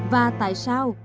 và tại sao